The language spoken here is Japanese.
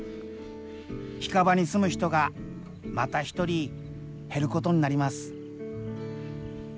干蒲に住む人がまた一人減ることになります。